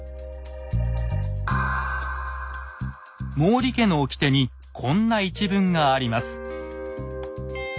毛利家の掟にこんな一文があります。